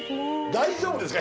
大丈夫ですか？